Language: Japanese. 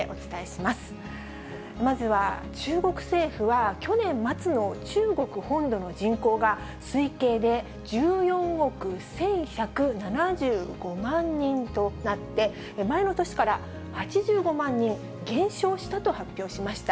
まずは、中国政府は去年末の中国本土の人口が、推計で１４億１１７５万人となって、前の年から８５万人減少したと発表しました。